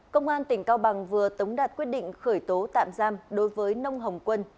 công an tỉnh cao bằng vừa tống đạt quyết định khởi tố tạm giam đối với nông hồng quân